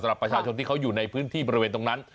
สำหรับประชาชนที่เขาอยู่ในพื้นที่ประเวทตรงนั้น